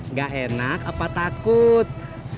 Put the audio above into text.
nggak enak apa takut